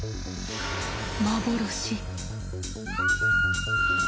幻。